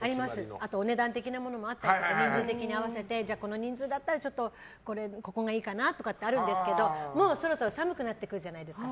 あと、お値段的なものもあったり人数的に合わせてこの人数だったらちょっとここがいいかなとかってあるんですけどそろそろ寒くなってくるじゃないですか。